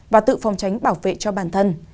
và tự phòng tránh bảo vệ cho bản thân